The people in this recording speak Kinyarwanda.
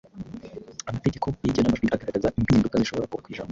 Amategeko y’igenamajwi agaragaza impinduka zishobora kuba ku ijambo